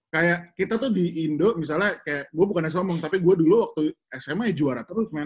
kayak kita tuh di indo misalnya kayak gue bukan sma tapi gue dulu waktu sma ya juara terus main